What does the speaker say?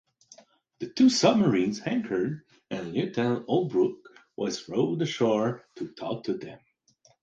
The two submarines anchored and Lieutenant Holbrook was rowed ashore to talk to them.